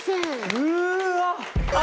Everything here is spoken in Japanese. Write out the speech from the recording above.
うわっ！